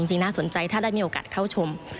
น่าสนใจถ้าได้มีโอกาสเข้าชม